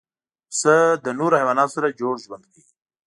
پسه له نورو حیواناتو سره جوړ ژوند کوي.